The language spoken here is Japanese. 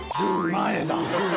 前だ。